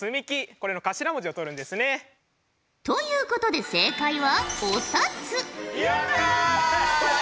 これの頭文字を取るんですね。ということで正解はやった！